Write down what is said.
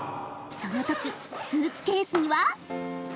その時スーツケースには！